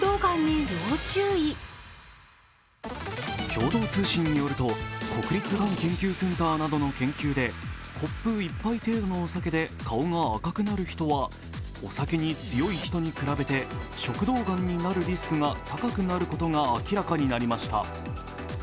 共同通信によると、国立がん研究センターなどの研究でコップ１杯程度のお酒で顔が赤くなる人はお酒に強い人に比べて食道がんになるリスクが高いことが明らかになりました。